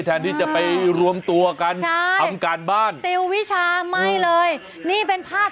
แทนที่จะไปรวมตัวกันใช่ทำการบ้านติววิชาไม่เลยนี่เป็นภาพ